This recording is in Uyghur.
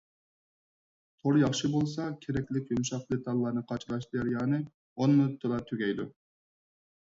تور ياخشى بولسا كېرەكلىك يۇمشاق دېتاللارنى قاچىلاش جەريانى ئون مىنۇتتىلا تۈگەيدۇ.